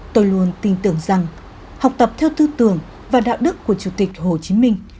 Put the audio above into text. tôi luôn tin tưởng rằng học tập theo tư tưởng và đạo đức của chủ tịch hồ chí minh